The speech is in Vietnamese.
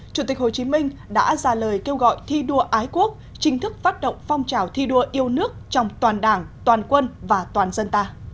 chủ tịch hồ chí minh đã ra lời kêu gọi thi đua ái quốc chính thức phát động phong trào thi đua yêu nước trong toàn đảng toàn quân và toàn dân ta